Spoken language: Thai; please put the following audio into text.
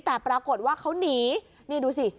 แต่ปรากฏว่าเขาหนีนี่ดูสิ